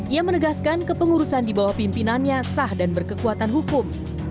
ia menegaskan kepengurusan di bawah pimpinannya sah dan berkekuatan hukum